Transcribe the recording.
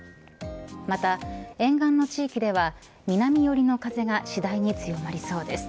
また、沿岸の地域では南よりの風が次第に強まりそうです。